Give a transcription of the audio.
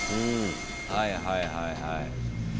はいはいはいはい。